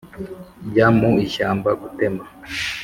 ajya mu ishyamba gutema.